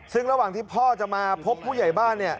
ซึ่งระหว่างที่พ่อจะมาพบผู้ใหญ่บ้านเนี่ย